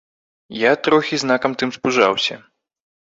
Я трохі, знакам тым, спужаўся.